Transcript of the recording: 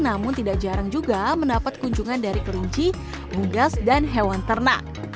namun tidak jarang juga mendapat kunjungan dari kelinci ugas dan hewan ternak